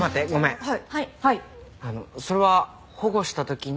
はい。